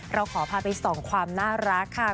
เราขอพาไปส่องความน่ารักค่ะ